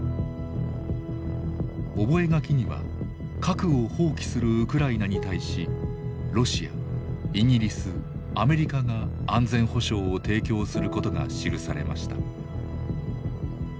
覚書には核を放棄するウクライナに対しロシアイギリスアメリカが安全保障を提供することが記されました。